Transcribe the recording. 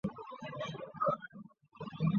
可是由于预算不足提案再度否决。